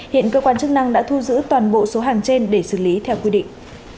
hiện cơ quan chức năng đã thu giữ toàn bộ số hàng trên để xử lý theo quy định